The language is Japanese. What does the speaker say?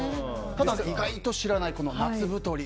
ただ、意外と知らないこの夏太り。